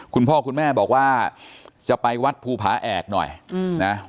คุณพ่อคุณแม่บอกว่าจะไปวัดภูผาแอกหน่อยนะ